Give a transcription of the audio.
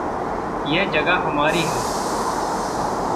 यह जगा हमारी है।